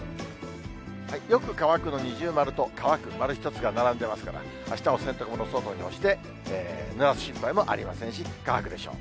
よく乾くの二重丸と乾く、丸１つが並んでますから、あしたは洗濯物を外に干して、ぬらす心配もありませんし、乾くでしょう。